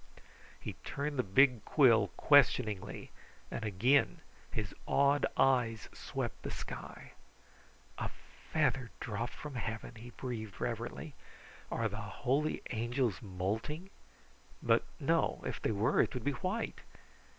He turned the big quill questioningly, and again his awed eyes swept the sky. "A feather dropped from Heaven!" he breathed reverently. "Are the holy angels moulting? But no; if they were, it would be white.